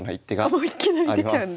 もういきなり出ちゃうんだ。